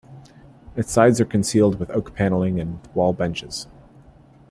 Its sides are concealed with oak panelling and wall benches.